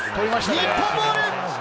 日本ゴール。